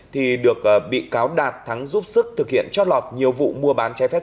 thì được bị cáo đạt thắng giúp sức thực hiện trót lọt nhiều vụ mua bán trái phép